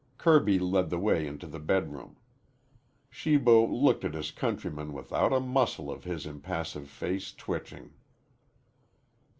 Kirby led the way into the bedroom. Shibo looked at his countryman without a muscle of his impassive face twitching.